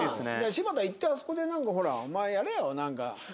柴田行ってあそこで何かほらお前やれよ。